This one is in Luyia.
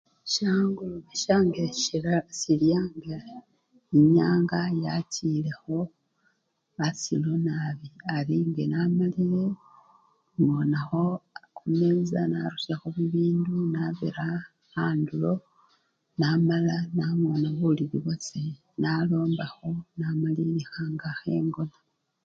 Sye angolobe syange isilya nga enyanga yachilekho asikho nabi, ali nganamalile, engonakho emesa narusyakho bibindu nabira andulo namala nangona bulili bwase, nalombakho, namalilikha nga khengona.